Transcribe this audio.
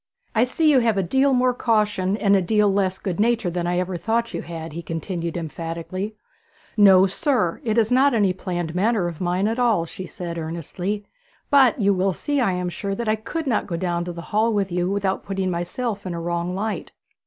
'I see you have a deal more caution and a deal less good nature than I ever thought you had,' he continued emphatically. 'No, sir; it is not any planned manner of mine at all,' she said earnestly. 'But you will see, I am sure, that I could not go down to the hall with you without putting myself in a wrong light.'